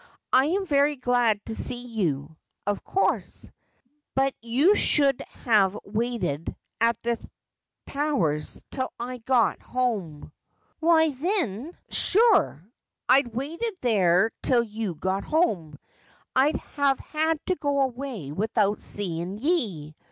' I am very glad to see you, of course ; but you should have waited at the Towers till I got home.' ' Why thin, shure, if I'd waited there till you got home, I'd have had to go away widout seein' ye.